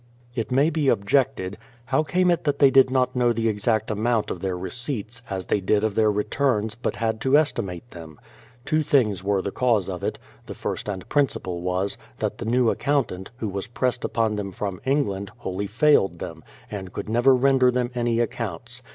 It may be objected; how came it that they did not know the exact amount of their receipts, as they did of their returns, but had to estimate them? Two things were the cause of it ; the first and principal was, that the new accountant, who was pressed upon them from England, wholly failed them, and could never render them any ac counts.